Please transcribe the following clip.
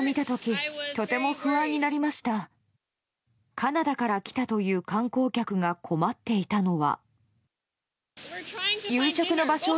カナダから来たという観光客が困っていたのは。